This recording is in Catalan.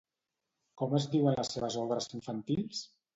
Com es diuen les seves obres infantils?